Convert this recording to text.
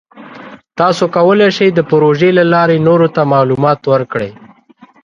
تاسو کولی شئ د پروژې له لارې نورو ته معلومات ورکړئ.